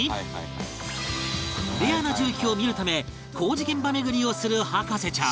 レアな重機を見るため工事現場巡りをする博士ちゃん